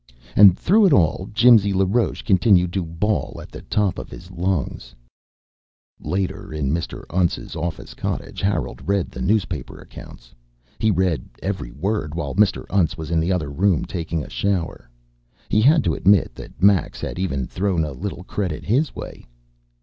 And through it all Jimsy LaRoche continued to bawl at the top of his lungs. Later, in Mr. Untz's office cottage, Harold read the newspaper accounts. He read every word while Mr. Untz was in the other room taking a shower. He had to admit that Max had even thrown a little credit his way.